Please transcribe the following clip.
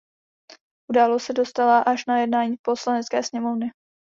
Událost se dostala až na jednání poslanecké sněmovny.